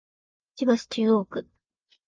千葉市中央区